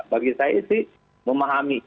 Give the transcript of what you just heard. bagi saya sih memahami